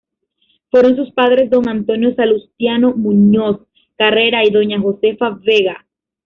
Fueron sus padres Don Antonio Salustiano Muñoz Carrera y Doña Josefa Vega.